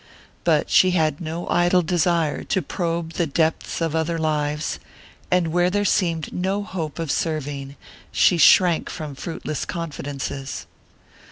But she had no idle desire to probe the depths of other lives; and where there seemed no hope of serving she shrank from fruitless confidences.